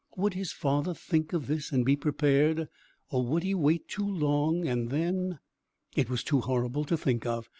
Would his father think of this and be prepared, or would he wait too long, and then It was too horrible to think of.